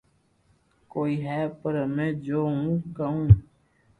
ڪوئي ھي پر ھمي جو ھون ڪو ڪاو